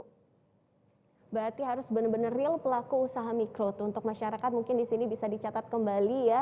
berarti harus benar benar real pelaku usaha mikro untuk masyarakat mungkin di sini bisa dicatat kembali ya